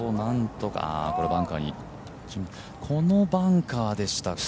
これ、バンカーにこのバンカーでしたか。